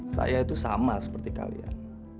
saya itu sama seperti kalian